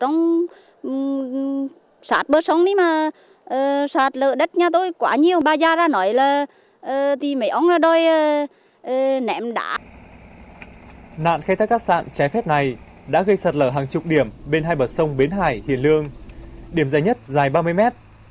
nạn khai thác cát sạn trái phép này đã gây sạt lở hàng chục điểm bên hai bờ sông bến hải hiền lương điểm dài nhất dài ba mươi mét